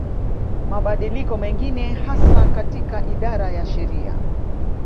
Mabadiliko mengine hasa katika idara ya sheria